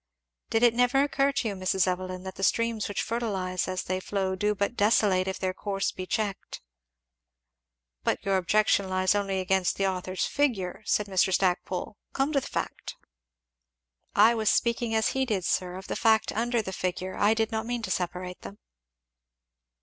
"Did it never occur to you, Mrs. Evelyn, that the streams which fertilize as they flow do but desolate if their course be checked?" "But your objection lies only against the author's figure," said Mr. Stackpole; "come to the fact." "I was speaking as he did, sir, of the fact under the figure I did not mean to separate them."